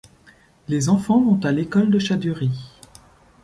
Les enfants vont a l'école de Chadurie.